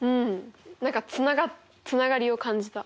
何かつながつながりを感じた。